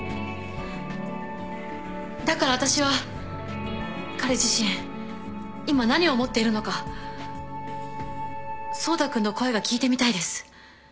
だから私は彼自身今何を思っているのか走太君の声が聞いてみたいです